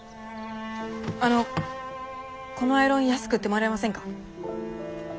あのこのアイロン安く売ってもらえませんか？